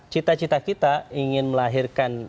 cita cita kita ingin melahirkan